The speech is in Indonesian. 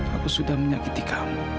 aku sudah menyakiti kamu